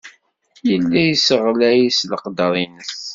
Yella yesseɣlay s leqder-nnes.